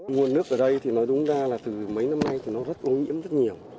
nguồn nước ở đây thì nói đúng ra là từ mấy năm nay thì nó rất ô nhiễm rất nhiều